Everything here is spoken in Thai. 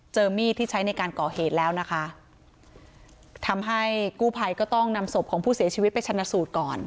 มีดที่ใช้ในการก่อเหตุแล้วนะคะทำให้กู้ภัยก็ต้องนำศพของผู้เสียชีวิตไปชนะสูตรก่อน